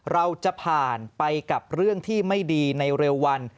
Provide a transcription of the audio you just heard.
เราจะผ่านไปกับเรื่องที่ไม่ดีในเร็ววัน